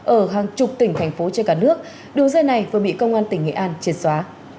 ở hàng chục tỉnh thành phố trên cả nước đường dây này vừa bị công an tỉnh nghệ an triệt xóa